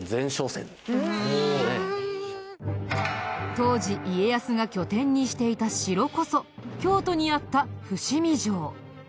当時家康が拠点にしていた城こそ京都にあった伏見城。